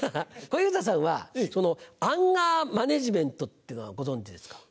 小遊三さんはアンガーマネジメントっていうのはご存じですか？